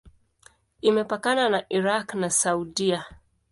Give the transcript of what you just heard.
Imepakana na Irak na Saudia.